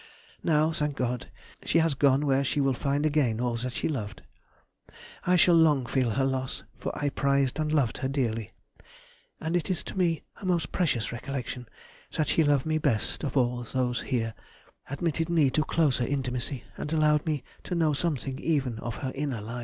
Now, thank God, she has gone where she will find again all that she loved. I shall long feel her loss, for I prized and loved her dearly, and it is to me a most precious recollection that she loved me best of all those here, admitted me to closer intimacy, and allowed me to know something even of her inner life.